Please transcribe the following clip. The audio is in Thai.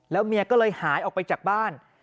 เมียก็เลยหายออกไปจากบ้าน